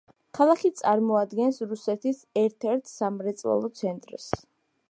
ქალაქი წარმოადგენს რუსეთის ერთ-ერთ სამრეწველო ცენტრს.